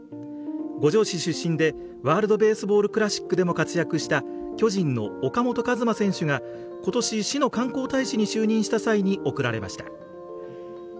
五條市出身で、ワールド・ベースボール・クラシックでも活躍した巨人の岡本和真選手が今年、市の観光大使に就任した際に贈られました。